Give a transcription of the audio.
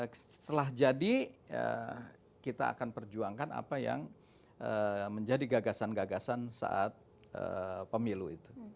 setelah jadi kita akan perjuangkan apa yang menjadi gagasan gagasan saat pemilu itu